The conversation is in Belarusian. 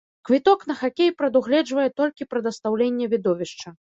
Квіток на хакей прадугледжвае толькі прадастаўленне відовішча.